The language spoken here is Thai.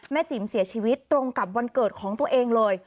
จิ๋มเสียชีวิตตรงกับวันเกิดของตัวเองเลย